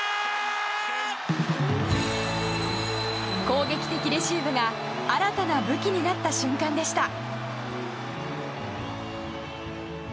攻撃的レシーブが新たな武器になった瞬間でした。